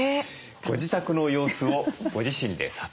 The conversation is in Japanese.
ご自宅の様子をご自身で撮影して頂きました。